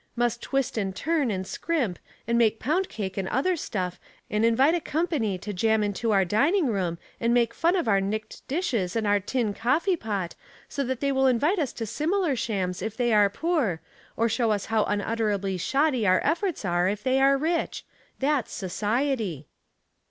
213 — must twist and turn, and scrimp, and make pound cake and other stuff, and invite a company to jam into our dining room, and make fun of our nicked dishes and our tin coffee pot, so that they will invite us to similar shams if they are poor, or show us how unutterably shoddy our efforts were if they are rich. That's society."